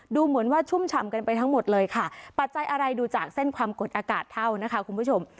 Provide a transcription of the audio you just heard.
ดูเหมือนว่าชุ่มฉ่ำกันไปทั้งหมดเลยค่ะปัจจัยอะไรดูจากเส้นความกดอากาศเท่านะคะคุณผู้ชม